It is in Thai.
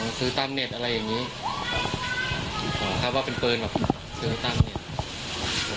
ก็คือตามเน็ตอย่างนี้าฮะว่าเป็นไปเหมาะอีกฝาก